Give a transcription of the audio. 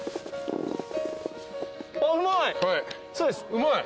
うまい。